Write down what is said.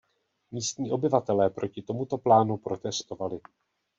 Místní obyvatelé proti tomuto plánu protestovali.